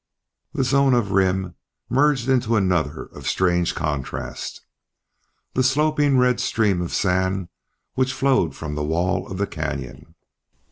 This zone of rim merged into another of strange contrast, the sloping red stream of sand which flowed from the wall of the canyon.